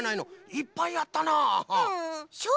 いっぱいやったな。